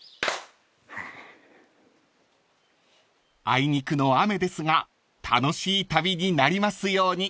［あいにくの雨ですが楽しい旅になりますように］